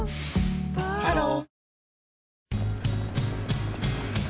ハロー